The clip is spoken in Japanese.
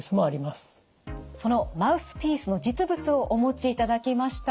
そのマウスピースの実物をお持ちいただきました。